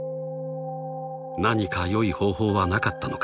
［何か良い方法はなかったのか］